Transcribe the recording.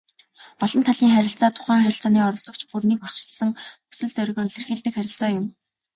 Олон талын харилцаа тухайн харилцааны оролцогч бүр нэгбүрчилсэн хүсэл зоригоо илэрхийлдэг харилцаа юм.